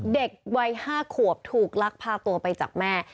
เด็กวัย๕ขวบถูกลักพาตัวไปจากแม่